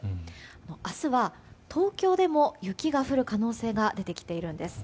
明日は、東京でも雪が降る可能性が出てきているんです。